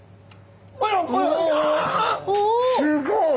すごい！